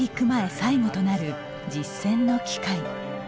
前最後となる実戦の機会。